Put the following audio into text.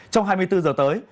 trong hai mươi bốn h tới